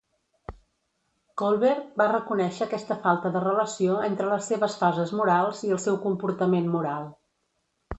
Kohlberg va reconèixer aquesta falta de relació entre les seves fases morals i el seu comportament moral.